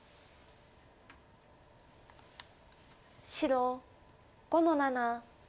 白５の七。